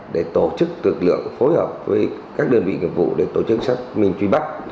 để tổ chức tượng lượng phối hợp với các đơn vị nghiệp vụ để tổ chức xác minh truy bắt